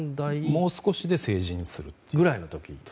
もう少しで成人するくらいの時。